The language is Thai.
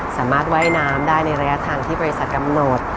สามารถว่ายน้ำได้ในระยะทางที่บริษัทกำหนด